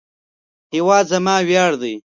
هیواد زما ویاړ دی